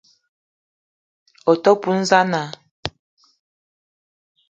O te poun za na?